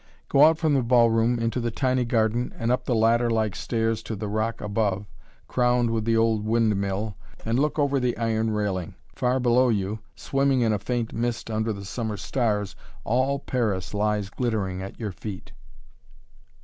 Go out from the ball room into the tiny garden and up the ladder like stairs to the rock above, crowned with the old windmill, and look over the iron railing. Far below you, swimming in a faint mist under the summer stars, all Paris lies glittering at your feet.